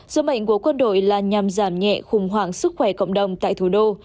sứ mệnh của quân đội là nhằm giảm nhẹ khủng hoảng sức khỏe cộng đồng tại thủ đô